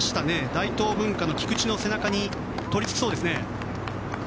大東文化の菊地の背中に取り付きそうですね。